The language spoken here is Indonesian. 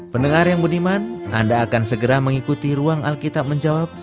pendengar yang budiman anda akan segera mengikuti ruang alkitab menjawab